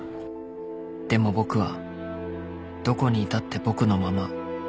［でも僕はどこにいたって僕のまま］